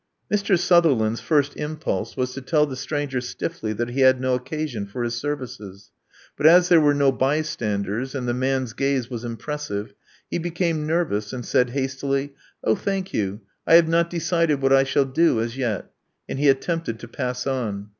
Mr. Sutherland's first impulse was to tell the stranger stiffly that he had no occasion for his services. But as there were no bystanders, and the man's gaze was impressive, he became nervous, and said hastily, Oh, thank you: I have not decided what I shall do as yet." And he attempted to pass on.